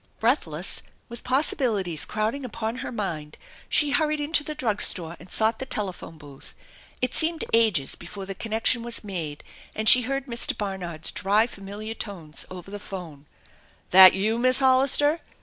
Breathless, with possibilities crowding upon her mind, she hurried into the drug store and sought the telephone booth. It seemed ages before the connection was made and she heard Mr. Barnard's dry familiar tones over the phone: " That you, Miss Hollister?